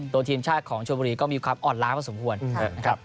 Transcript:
ตัวทีมชาติของชมบุรีก็มีความอ่อนล้าพอสมควรนะครับ